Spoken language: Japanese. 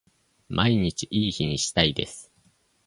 毎日いい日にしたいです